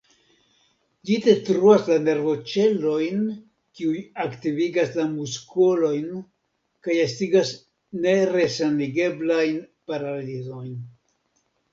Ĝi detruas la nervoĉelojn, kiuj aktivigas la muskolojn, kaj estigas neresanigeblajn paralizojn.